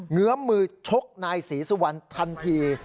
เงื้อมือชกนายศรีสุวรรณทันที